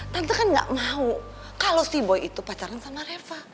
tante kan gak mau kalau si boi itu pacaran sama reva